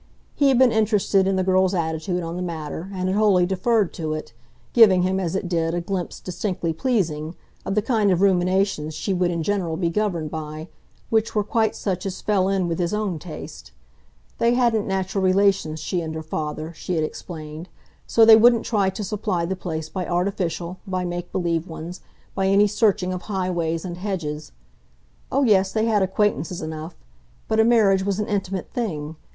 He had been interested in the girl's attitude on the matter and had wholly deferred to it, giving him, as it did, a glimpse, distinctly pleasing, of the kind of ruminations she would in general be governed by which were quite such as fell in with his own taste. They hadn't natural relations, she and her father, she had explained; so they wouldn't try to supply the place by artificial, by make believe ones, by any searching of highways and hedges. Oh yes, they had acquaintances enough but a marriage was an intimate thing.